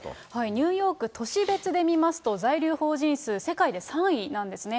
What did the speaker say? ニューヨーク都市別で見ますと、在留邦人数、世界で３位なんですね。